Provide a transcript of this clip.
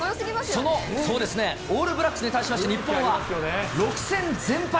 そのオールブラックスに対しまして、日本は６戦全敗。